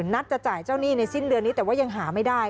นัดจะจ่ายเจ้าหนี้ในสิ้นเดือนนี้แต่ว่ายังหาไม่ได้